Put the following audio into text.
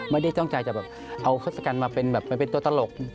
ไม่ได้ต้องการจะแบบเอาเครื่องสกันมาเป็นตัวตลก